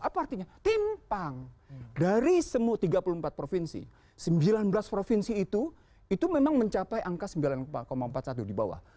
apa artinya timpang dari semua tiga puluh empat provinsi sembilan belas provinsi itu itu memang mencapai angka sembilan empat puluh satu di bawah